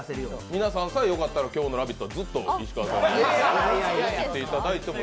皆さんさえよかったら今日の「ラヴィット！」はずっと石川さんでやっていただいても。